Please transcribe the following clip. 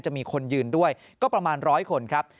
มีคนยืนด้วยก็ประมาณร้อยคนครับ